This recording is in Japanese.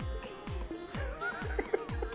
フフフ。